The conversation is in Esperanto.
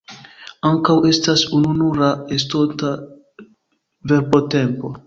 Ankaŭ estas ununura estonta verbotempo.